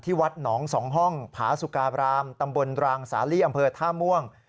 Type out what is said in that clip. วัดหนอง๒ห้องผาสุการามตำบลรางสาลีอำเภอท่าม่วง